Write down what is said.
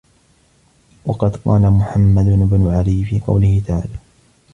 وَقَدْ قَالَ مُحَمَّدُ بْنُ عَلِيٍّ فِي قَوْله تَعَالَى